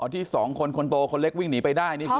ที่สองคนคนโตคนเล็กวิ่งหนีไปได้นี่คือ